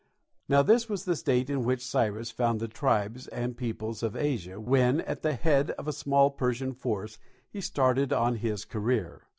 Now this was the state in which Cyrus found the tribes and peoples of Asia when, at the head of a small Persian force, he started on his career.